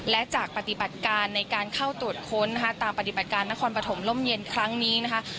และจากปฏิบัติการในการเข้าตรวจค้นนะคะตามปฏิบัติการนครปฐมล่มเย็นครั้งนี้นะคะ